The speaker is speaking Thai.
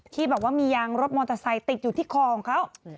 ที่แบบว่ามียางรถมอเตอร์ไซค์ติดอยู่ที่คอของเขา